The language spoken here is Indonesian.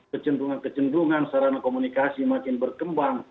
kecenderungan kecenderungan sarana komunikasi makin berkembang